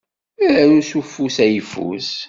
Aru s ufus ayeffus.